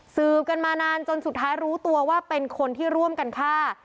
สืบกันมานานจนสุดท้ายรู้ตัวว่าเป็นคนที่ร่วมกันฆ่า